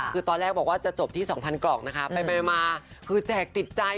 คือตอนแรกบอกว่าจะจบที่๒๐๐กล่องนะคะไปมาคือแจกติดใจ